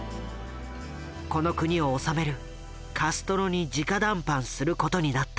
この国を治めるカストロにじか談判することになった。